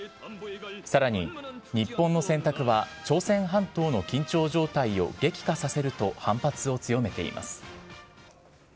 さらに、日本の選択は、朝鮮半島の緊張状態を激化させると反発を強めています。